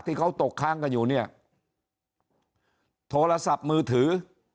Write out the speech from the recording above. ที่เขาตกค้างกันอยู่เนี่ยโทรศัพท์มือถือ